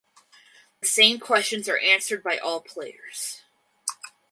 The same questions are answered by all players.